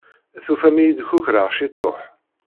Tufam-iyi-d kukraɣ ciṭuḥ.